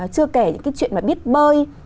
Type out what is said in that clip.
chưa kể những cái chuyện mà biết bơi